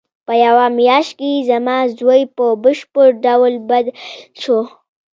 په یوه میاشت کې زما زوی په بشپړ ډول بدل شو